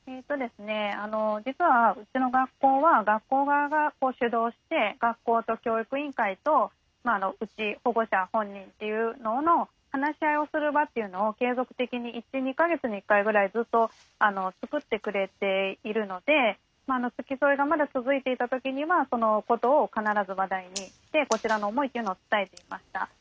実はうちの学校は学校側が主導して学校と教育委員会とうち保護者本人っていうのの話し合いをする場っていうのを継続的に１２か月に１回ぐらいずっと作ってくれているので付き添いがまだ続いていた時にはそのことを必ず話題にしてこちらの思いというのを伝えていました。